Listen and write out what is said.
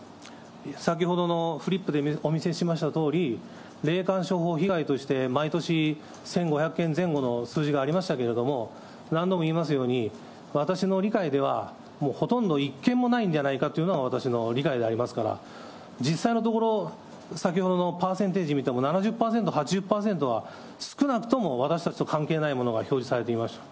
先ほどのフリップでお見せしましたとおり、霊感商法被害として毎年、１５００件前後の数字がありましたけれども、何度も言いますように、私の理解ではもうほとんど一件もないんじゃないかっていうのが、私の理解でありますから、実際のところ、先ほどのパーセンテージ見ても７０％、８０％は、少なくとも私たちと関係ないものが表示されていました。